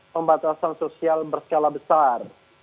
pembatasan sosial berskala besar